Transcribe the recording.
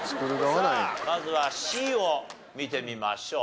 さあまずはＣを見てみましょう。